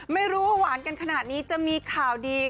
ไม่รู้ว่าหวานกันขนาดนี้จะมีข่าวดี